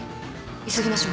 急ぎましょう。